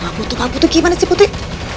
gak butuh gimana sih putri